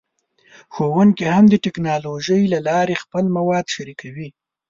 ښوونکي هم د ټیکنالوژۍ له لارې خپل مواد شریکوي.